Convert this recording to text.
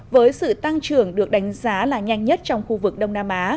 với sự tăng trưởng được đánh giá là nhanh nhất trong khu vực đông nam á